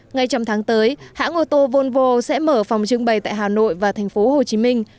ngay trong tháng tới hãng ô tô volvo sẽ mở phòng trưng bày tại hà nội và thành phố hồ chí minh